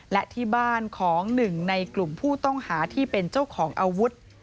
และที่บ้านของหนึ่งในกลุ่มผู้ต้องหาที่เป็นเจ้าของอาวุธ